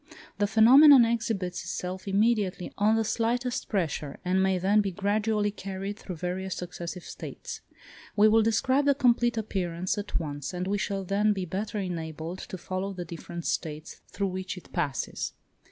The phenomenon exhibits itself immediately on the slightest pressure, and may then be gradually carried through various successive states. We will describe the complete appearance at once, as we shall then be better enabled to follow the different states through which it passes.